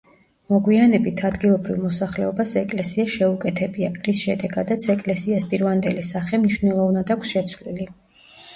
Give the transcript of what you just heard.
მოგვიანებით ადგილობრივ მოსახლეობას ეკლესია შეუკეთებია, რის შედეგადაც ეკლესიას პირვანდელი სახე მნიშვნელოვნად აქვს შეცვლილი.